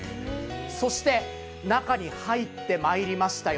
そして、中に入ってまいりましたよ